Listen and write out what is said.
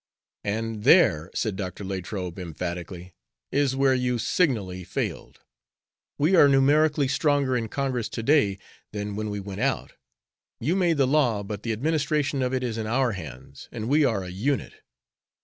"And there," said Dr. Latrobe, emphatically, "is where you signally failed. We are numerically stronger in Congress to day than when we went out. You made the law, but the administration of it is in our hands, and we are a unit."